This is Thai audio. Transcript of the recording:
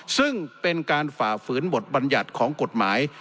ซึ่งเป็นการฝ่าฝืนบทบัญญัติของกฎหมาย